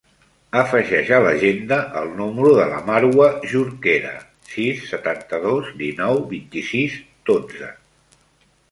Afegeix a l'agenda el número de la Marwa Jorquera: sis, setanta-dos, dinou, vint-i-sis, dotze.